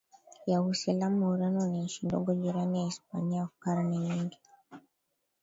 ya Uislamu Ureno ni nchi ndogo jirani na Hispania Kwa karne nyingi